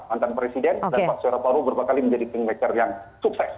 mantan presiden dan pak surya paloh berapa kali menjadi kingmaker yang sukses